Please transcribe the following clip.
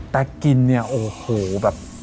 แต่กินเนี่ยโอ้โหแบบ